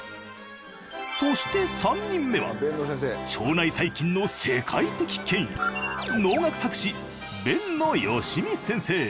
そして３人目は腸内細菌の世界的権威農学博士辨野義己先生。